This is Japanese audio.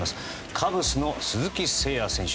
カブスの鈴木誠也選手